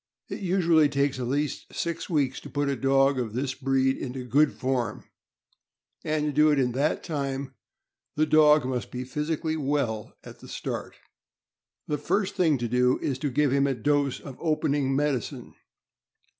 It usually takes at least six weeks to put a dog of this breed into good form; and to do it in that time, the dog must be physically well at the start. The first thing to do is to give him a dose of opening med icine.